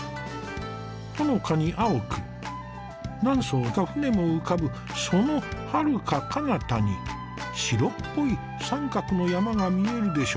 ほのかに青く何艘か舟も浮かぶそのはるかかなたに白っぽい三角の山が見えるでしょ。